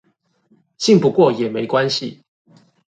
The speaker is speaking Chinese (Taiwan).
信不過也沒關係